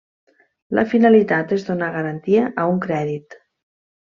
La finalitat és donar garantia a un crèdit.